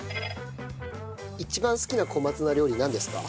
一番好きな小松菜料理なんですか？